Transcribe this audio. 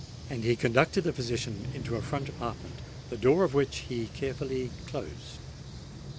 And he conducted the physician into a front apartment, the door of which he carefully closed.